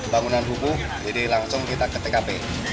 bangunan rubuh jadi langsung kita ke tkp